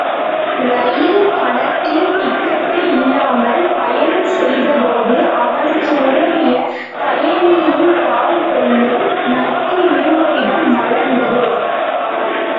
ரயில் பணத்தில் டிக்கட்டு இல்லாமல் பயணம் செய்த போது அவனுக்கு உதவிய பயணியின்பால் கொள்ளும் நட்பு இருவரிடம் மலர்ந்தது.